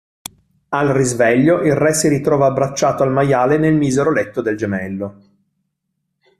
Al risveglio il Re si ritrova abbracciato al maiale nel misero letto del gemello.